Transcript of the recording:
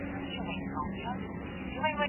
وضوح او کیفیت د مصنوعي ویډیو مهم عناصر دي.